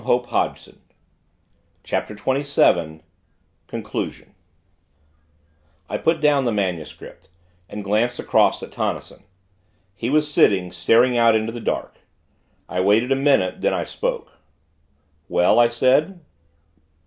Somethi " That is all XXVII CONCLUSION I put down the Manuscript, and glanced across at Tonnison: he was sitting, staring out into the dark. I waited a minute; then I spoke. "Well?" I said.